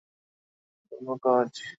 ওকে মানুষ তৈরি করা আপনার কাজ।